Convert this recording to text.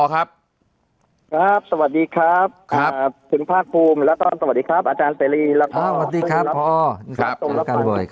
ครับสวัสดีครับถึงภาคภูมิแล้วก็สวัสดีครับอาจารย์เสรีแล้วก็